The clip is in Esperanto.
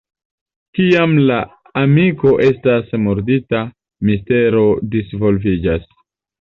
Kiam la amiko estas murdita, mistero disvolviĝas.